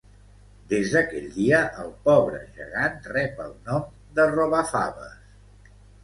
Des d'aquell dia, el pobre gegant rep el nom de Robafaves